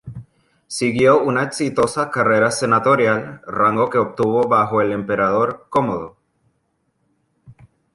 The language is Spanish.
Siguió una exitosa carrera senatorial, rango que obtuvo bajo el emperador Cómodo.